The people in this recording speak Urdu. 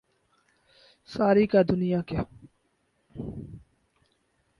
ساری کا دنیا کے